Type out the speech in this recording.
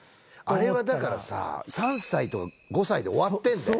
あれはだからさ３歳とか５歳で終わってるんだよね。